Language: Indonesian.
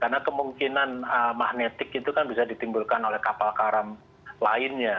karena kemungkinan magnetik itu kan bisa ditimbulkan oleh kapal karam lainnya